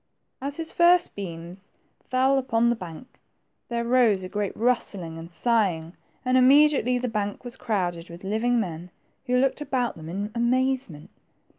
As his first beams fell upon the bank, there rose a great rustling and sighing, and immediately the bank was crowded with living men, who looked about them in amazement.